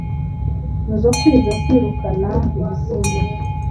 nzokwiga kwirukana ibisimba